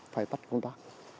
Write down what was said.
phải tắt công tác